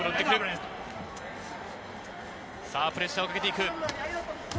さぁ、プレッシャーをかけていく。